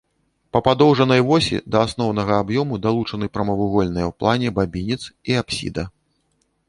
Па падоўжанай восі да асноўнага аб'ёму далучаны прамавугольныя ў плане бабінец і апсіда.